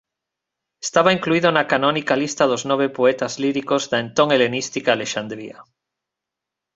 Estaba incluído na canónica lista dos Nove poetas líricos da entón helenística Alexandría.